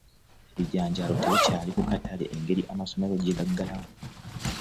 Ebijanjaalo tebikyaali ku katale engeri amasomero gye gaggalwa.